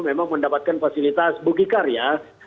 memang mendapatkan fasilitas bugi kar ya